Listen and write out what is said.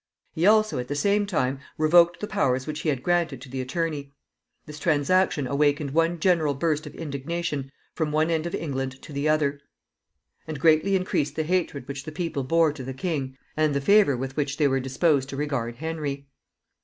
He also, at the same time, revoked the powers which he had granted to the attorney. This transaction awakened one general burst of indignation from one end of England to the other, and greatly increased the hatred which the people bore to the king, and the favor with which they were disposed to regard Henry.